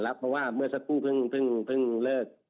เพราะว่าเมื่อสักครู่เพิ่งเลิก